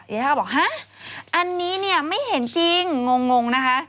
ยาท่าบอกฮะอันนี้เนี่ยไม่เห็นจริงงงนะคะ